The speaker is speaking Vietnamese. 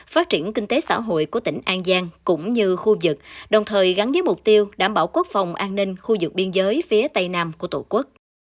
phát triển kinh tế xã hội của tỉnh an giang cũng như khu vực đồng thời gắn với mục tiêu đảm bảo quốc phòng an ninh khu vực biên giới phía tây nam của tổ quốc